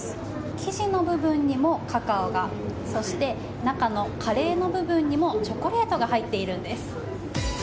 生地の部分にもカカオがそして中のカレーの部分にもチョコレートが入っているんです。